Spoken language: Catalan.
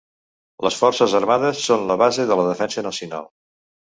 Les forces armades són la base de la defensa nacional.